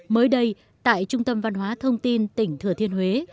mới đây tại trung tâm văn hóa thông tin tỉnh thừa thiên huế